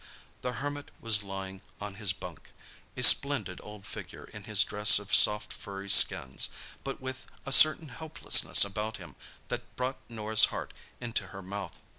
The Hermit was lying on his bunk—a splendid old figure in his dress of soft furry skins, but with a certain helplessness about him that brought Norah's heart into her mouth.